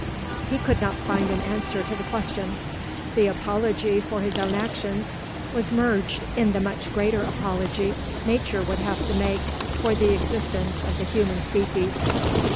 He could not find an answer to the question. The apology for his own actions was merged in the much greater apology nature would have to make for the existence of the human species.